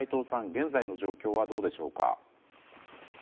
現在の状況はどうでしょうか。